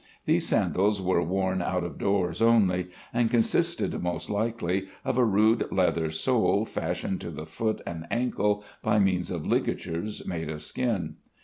These sandals were worn out of doors only, and consisted most likely of a rude leather sole, fastened to the foot and ankle by means of ligatures made of skin.